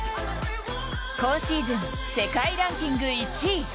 今シーズン、世界ランキング１位。